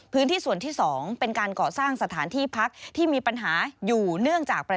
พื้นที่ส่วนที่๒เป็นการก่อสร้างสถานที่พักที่มีปัญหาอยู่เนื่องจาก